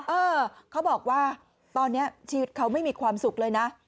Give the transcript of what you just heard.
เออเขาบอกว่าตอนนี้ชีวิตเขาไม่มีความสุขเลยนะ